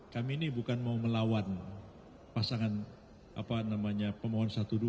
kami ini bukan mau melawan pasangan pemohon satu dua